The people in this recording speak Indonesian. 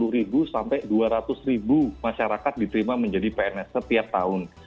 satu ratus lima puluh ribu sampai dua ratus ribu masyarakat diterima menjadi pns setiap tahun